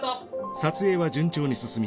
撮影は順調に進み